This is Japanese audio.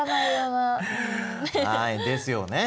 はいですよね。